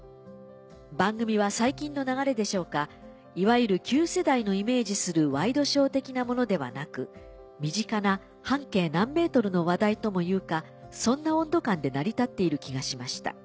番組は最近の流れでしょうかいわゆる旧世代のイメージするワイドショー的なものではなく身近な半径何メートルの話題ともいうかそんな温度感で成り立っている気がしました。